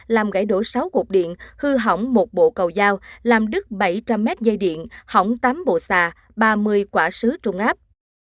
làm gãy đổ sáu cột điện hư hỏng một bộ cầu giao làm đứt bảy trăm linh mét dây điện hỏng tám bộ xà ba mươi quả sứ trung áp